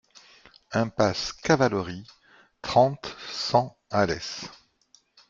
Impasse Cavalerie, trente, cent Alès